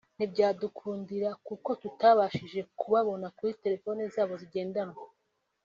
ntibyadukundira kuko tutabashije kubabona kuri telefone zabo zigendanwa